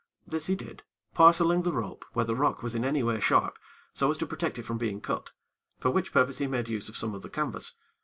This he did, parceling the rope where the rock was in any way sharp, so as to protect it from being cut; for which purpose he made use of some of the canvas.